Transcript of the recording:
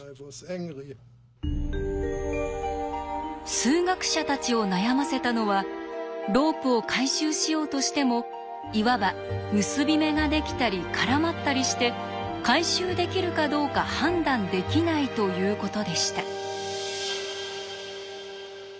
数学者たちを悩ませたのはロープを回収しようとしてもいわば結び目ができたり絡まったりして回収できるかどうか判断できないということでした。